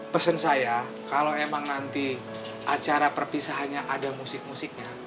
pesan saya kalau emang nanti acara perpisahannya ada musik musiknya